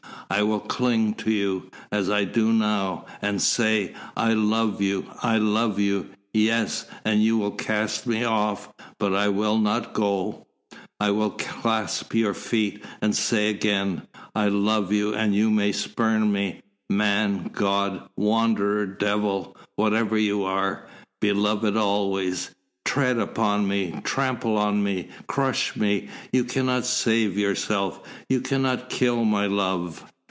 I will cling to you as I do now and say, I love you, I love you yes, and you will cast me off, but I will not go I will clasp your feet, and say again, I love you, and you may spurn me man, god, wanderer, devil, whatever you are beloved always! Tread upon me, trample on me, crush me you cannot save yourself, you cannot kill my love!"